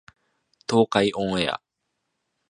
東海オンエア